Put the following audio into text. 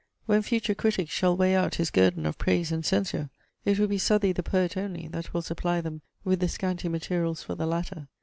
When future critics shall weigh out his guerdon of praise and censure, it will be Southey the poet only, that will supply them with the scanty materials for the latter.